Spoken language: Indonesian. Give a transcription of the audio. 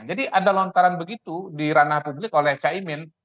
jadi ada lontaran begitu di ranah publik oleh caimin